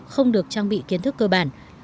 không được trang bị kiến thức cơ bản